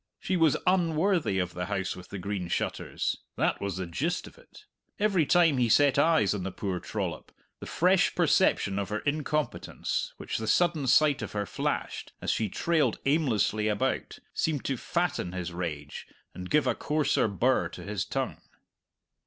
She was unworthy of the House with the Green Shutters that was the gist of it. Every time he set eyes on the poor trollop, the fresh perception of her incompetence which the sudden sight of her flashed, as she trailed aimlessly about, seemed to fatten his rage and give a coarser birr to his tongue.